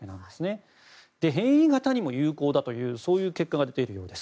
そして、変異型にも有効だというそういう結果が出ているようです。